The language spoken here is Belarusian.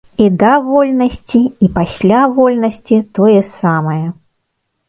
І да вольнасці, і пасля вольнасці тое самае.